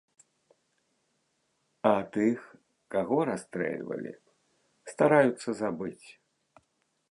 А тых, каго расстрэльвалі, стараюцца забыць.